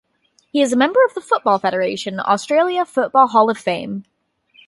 He is a member of the Football Federation Australia Football Hall of Fame.